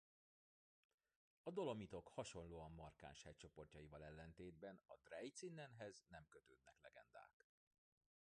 A Dolomitok hasonlóan markáns hegycsoportjaival ellentétben a Drei Zinnen-hez nem kötődnek legendák.